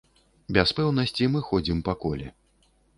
Без пэўнасці мы ходзім па коле.